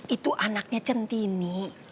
itu anaknya centini